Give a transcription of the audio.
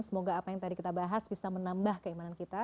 semoga apa yang tadi kita bahas bisa menambah keimanan kita